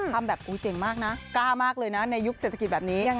ทำแบบเจ๋งมากนะกล้ามากเลยนะในยุคเศรษฐกิจแบบนี้